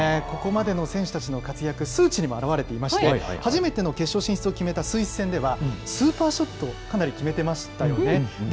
ここまでの選手たちの活躍、数値にも表れていまして、初めての決勝進出を決めたスイス戦ではスーパーショットをかなり決めてましたよね。